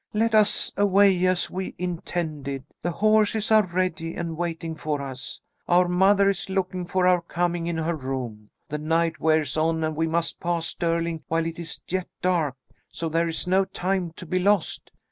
"Let us away as we intended. The horses are ready and waiting for us. Our mother is looking for our coming in her room. The night wears on and we must pass Stirling while it is yet dark, so there is no time to be lost.